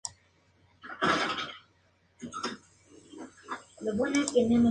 Su empleo en la cocina es típico de Asturias.